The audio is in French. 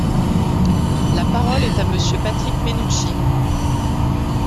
La parole est à Monsieur Patrick Mennucci.